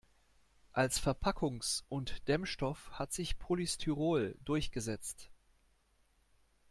Als Verpackungs- und Dämmstoff hat sich Polystyrol durchgesetzt.